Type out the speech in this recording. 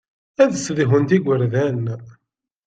Ad ssedhunt igerdan.